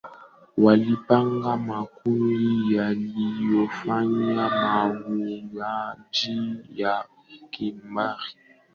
walipanga makundi yaliyofanya mauaji ya kimbari